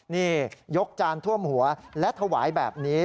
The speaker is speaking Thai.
นี่ยกจานท่วมหัวและถวายแบบนี้